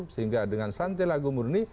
sehingga dengan santi lagu murni